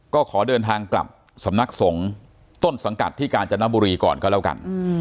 ก็ขอเดินทางกลับสำนักสงฆ์ต้นสังกัดที่กาญจนบุรีก่อนก็แล้วกัน